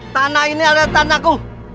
tanah ini adalah tanahku